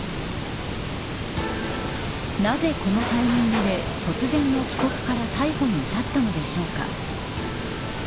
なぜこのタイミングで突然の帰国から逮捕に至ったのでしょうか。